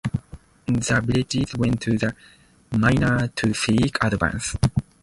The villagers went to the manor to seek advice.